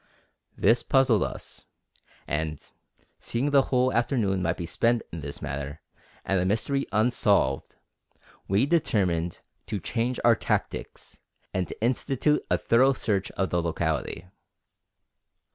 This puzzled us, and, seeing the whole afternoon might be spent in this manner and the mystery unsolved, we determined to change our tactics and institute a thorough search of the locality.